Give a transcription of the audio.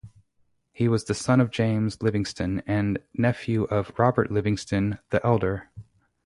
He was the son of James Livingston and nephew of Robert Livingston the Elder.